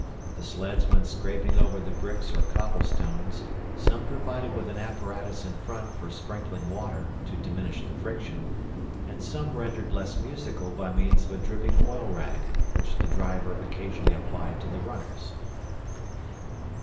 The sleds went scraping over the bricks or cobblestones, some provided with an apparatus in front for sprinkling water, to diminish the friction, and some rendered less musical by means of a dripping oil rag, which the driver occasionally applied to the runners.